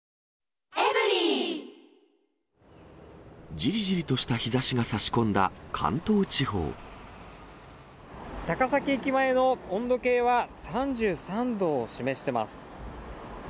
じりじりとした日ざしがさし高崎駅前の温度計は３３度を示してます。